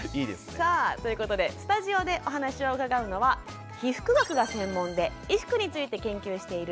さあということでスタジオでお話を伺うのは被服学が専門で衣服について研究している本弥生さん。